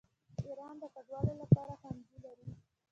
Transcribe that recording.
ایران د کډوالو لپاره ښوونځي لري.